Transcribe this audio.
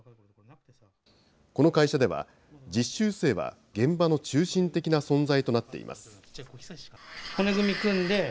この会社では、実習生は現場の中心的な存在となっています。